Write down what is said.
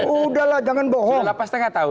udah lah jangan bohong